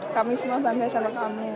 kami semua bangga sama kami